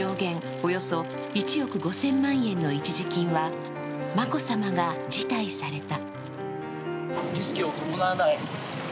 およそ１億５０００万円の一時金は眞子さまが辞退された。